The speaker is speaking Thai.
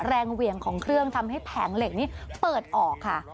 เหวี่ยงของเครื่องทำให้แผงเหล็กนี้เปิดออกค่ะ